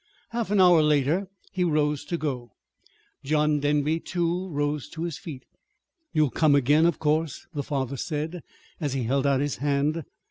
Half an hour later he rose to go. John Denby, too, rose to his feet. "You'll come again, of course," the father said, as he held out his hand.